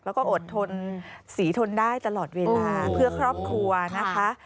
แล้วก็อดทนศรีทนได้ตลอดเวลาเพื่อครอบครัวนะคะ